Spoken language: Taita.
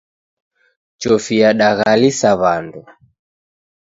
Chofi yadaghalisa w'andu.